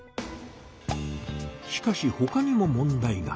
しかしほかにも問題が。